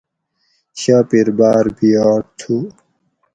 شاپیر باۤر بیاٹ تھو